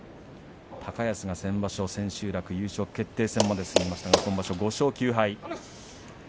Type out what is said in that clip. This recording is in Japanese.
高安が先場所千秋楽優勝決定戦まで進みましたが今場所は５勝９敗。